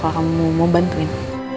kalau kamu mau bantuin